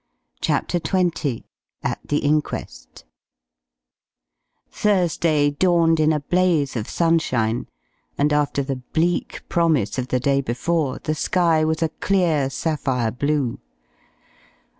CHAPTER XX AT THE INQUEST Thursday dawned in a blaze of sunshine, and after the bleak promise of the day before the sky was a clear, sapphire blue.